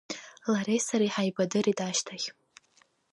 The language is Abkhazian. Лареи сареи ҳаибадырит ашьҭахь.